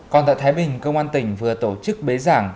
còn tại thái bình công an tỉnh vừa tổ chức bế giảng